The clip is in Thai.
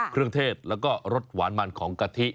เครื่องเทศแล้วก็รสหวานมันของกะทิ